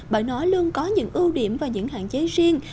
bởi nó luôn có những ưu điểm và những hạn chế riêng